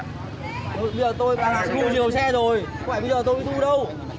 bây giờ tôi đã thu nhiều xe rồi bây giờ tôi bị thu đâu